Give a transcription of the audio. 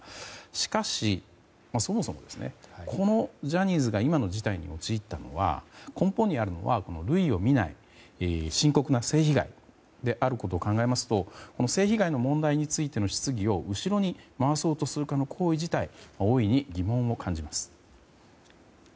しかし、そもそもジャニーズが今の事態に陥ったのは根本にあるのは類を見ない深刻な性被害であることを考えますと性被害の問題についての質疑を後ろに回そうとするという行為自体大いに疑問を感じます。